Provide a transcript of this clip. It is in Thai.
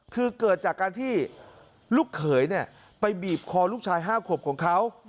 คือเกิดจากการที่ลูกเขยไปบีบคอลูกชาย๕ขวบของเขา